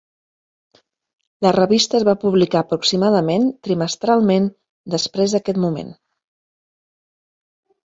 La revista es va publicar aproximadament trimestralment després d'aquest moment.